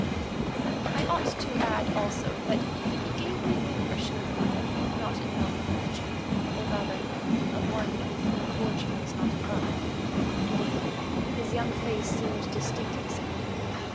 I ought to add also that he gave me the impression of a man not in love with fortune, or rather of one with whom fortune was not in love; indeed, his young face seemed distinctly sad.